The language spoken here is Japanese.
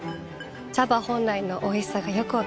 茶葉本来のおいしさがよく分かります。